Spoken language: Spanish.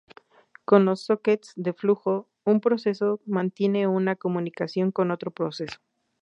Con los sockets de flujo, un proceso mantiene una comunicación con otro proceso.